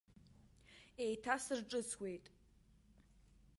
Еиҭасырҿыцуеит.